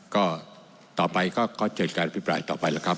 ก็ต่อไปก็จะมีการอภิปรายต่อไปแล้วครับ